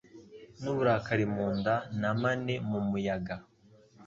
n'uburakari mu nda na mane mu muyaga